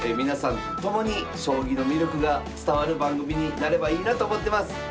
皆さんとともに将棋の魅力が伝わる番組になればいいなと思ってます。